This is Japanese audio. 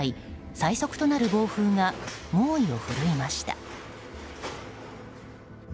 最速となる暴風が猛威を振るいました。